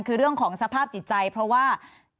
คือเรื่องของสภาพจิตใจเพราะว่า